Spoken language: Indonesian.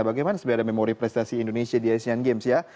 bagaimana sebenarnya memori prestasi indonesia di asian games ya